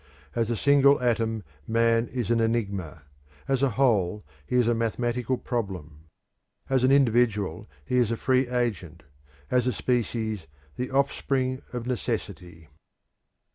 As a single atom man is an enigma: as a whole he is a mathematical problem. As an individual he is a free agent, as a species the offspring of necessity.